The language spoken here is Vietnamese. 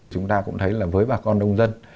chúng ta cũng thấy là với bà con nông dân